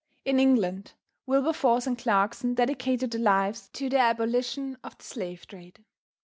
In England, Wilberforce and Clarkson dedicated their lives to the abolition of the slave trade.